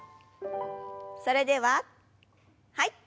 それでははい。